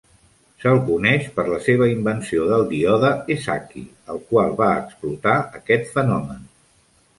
Se'l coneix per la seva invenció del díode Esaki, el qual va explotar aquest fenomen.